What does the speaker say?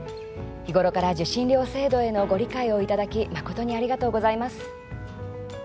日頃から受信料制度へのご理解をいただき誠にありがとうございます。